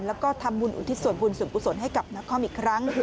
แล้วก็ทำบุญอุทิศส่วนบุญส่วนกุศลให้กับนครอีกครั้ง